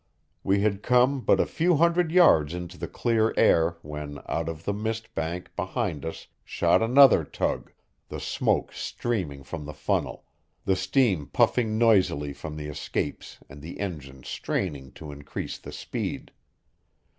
We had come but a few hundred yards into the clear air when out of the mist bank behind us shot another tug, the smoke streaming from the funnel, the steam puffing noisily from the escapes and the engine straining to increase the speed.